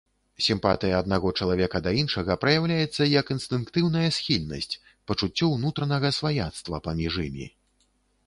Сімпатыя аднаго чалавека да іншага праяўляецца як інстынктыўная схільнасць, пачуццё ўнутранага сваяцтва паміж імі.